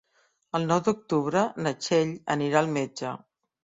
El nou d'octubre na Txell anirà al metge.